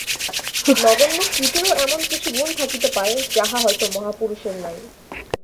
নগণ্য কীটেরও এমন কিছু গুণ থাকিতে পারে, যাহা হয়তো মহাপুরুষের নাই।